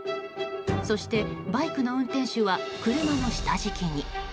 そしてバイクの運転手は車の下敷きに。